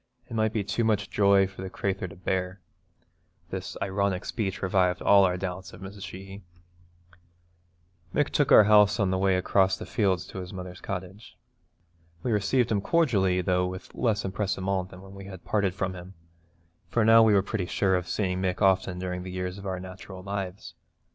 It might be too much joy for the crathur to bear.' This ironic speech revived all our doubts of Mrs. Sheehy. Mick took our house on the way across the fields to his mother's cottage. We received him cordially, though with less empressement than when we had parted from him, for now we were pretty sure of seeing Mick often during the years of our natural lives.